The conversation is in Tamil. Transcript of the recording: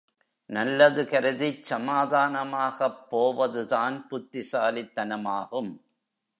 நல்லது கருதிச் சமாதானமாகப் போவதுதான் புத்திசாலித் தனமாகும்.